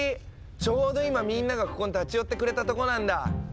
ちょうど今みんながここに立ち寄ってくれたとこなんだ。